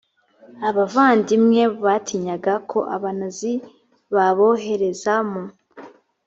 abavandimwe batinyaga ko abanazi babohereza mu